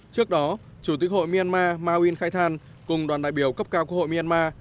trước đó chủ tịch hội myanmar ma win khai than cùng đoàn đại biểu cấp cao quốc hội myanmar